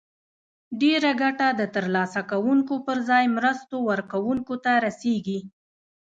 ډیره ګټه د تر لاسه کوونکو پر ځای مرستو ورکوونکو ته رسیږي.